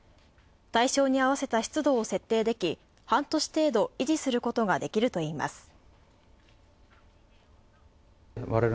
対象に合わせた湿度を設定でき半年程度維持することができるといいます。